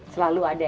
selalu ada ya